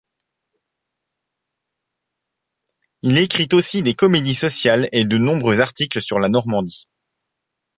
Il écrit aussi des comédies sociales et de nombreux articles sur la Normandie.